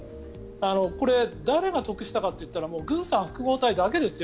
これ、誰が得をしたかといったら軍産複合体だけですよ。